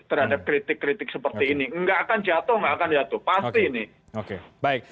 tidak ada kritik kritik seperti ini tidak akan jatuh tidak akan jatuh pasti ini